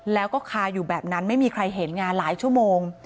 แล้วก็คาอยู่แบบนั้นไม่มีใครเห็นงานหลายชั่วโมง